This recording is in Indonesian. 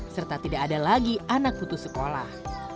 serta tidak ada lagi anak putus sekolah